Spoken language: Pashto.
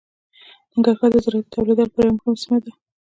ننګرهار د زراعتي تولیداتو لپاره یوه مهمه سیمه ده.